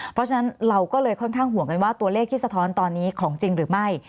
เพราะฉะนั้นเราก็เลยค่อนข้างห่วงกันว่าตัวเลขที่สะท้อนตอนนี้ของจริงหรือไม่